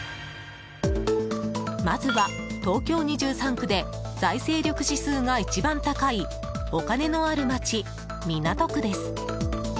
まずは東京２３区で財政力指数が一番高いお金のあるまち、港区です。